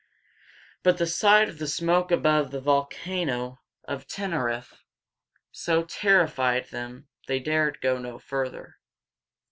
But the sight of the smoke above the volcano of Ten er ïfe´ so terrified them that they dared go no farther.